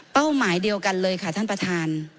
หมายเดียวกันเลยค่ะท่านประธาน